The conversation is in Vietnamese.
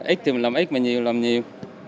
ít thì mình làm ít mà nhiều thì mình làm nhiều